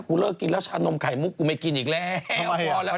เลิกกินแล้วชานมไข่มุกกูไม่กินอีกแล้วพอแล้ว